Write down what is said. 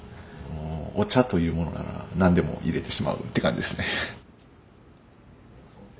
お茶というものなら何でも入れてしまうって感じですね。